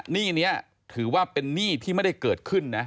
หนี้นี้ถือว่าเป็นหนี้ที่ไม่ได้เกิดขึ้นนะ